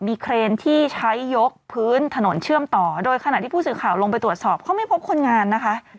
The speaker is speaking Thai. มีเครนที่ใช้ยกพื้นถนนเชื่อมต่อโดยขณะที่ผู้สื่อข่าวลงไปตรวจสอบเขาไม่พบคนงานนะคะ